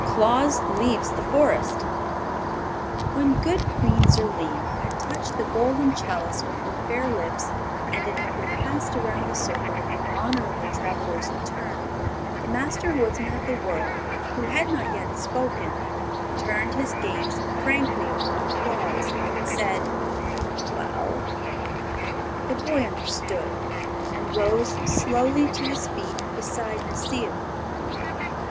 Claus Leaves the Forest When good Queen Zurline had touched the golden chalice with her fair lips and it had passed around the circle in honor of the travelers' return, the Master Woodsman of the World, who had not yet spoken, turned his gaze frankly upon Claus and said: "Well?" The boy understood, and rose slowly to his feet beside Necile.